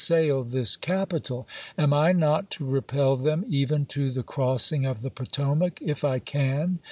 sail this Capital, am I not to repel them even to the crossing of the Potomac, if I can